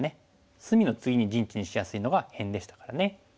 隅の次に陣地にしやすいのが辺でしたからね。